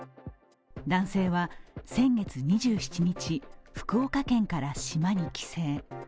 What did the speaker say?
男性は先月２７日、福岡県から島に帰省。